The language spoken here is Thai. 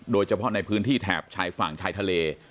โดยเฉพาะในพื้นที่แถบชายฝั่งชายทะเล